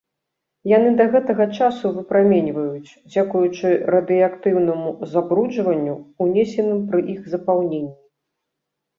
Яны да гэтага часу выпраменьваюць, дзякуючы радыеактыўнаму забруджванню, унесеным пры іх запаўненні.